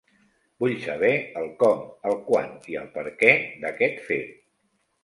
Vull saber el com, el quan i el perquè d'aquest fet.